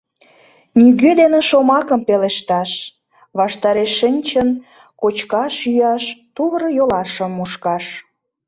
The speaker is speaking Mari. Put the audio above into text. Нигӧ дене шомакым пелешташ, ваштареш шинчын, кочкаш-йӱаш, тувыр-йолашым мушкаш.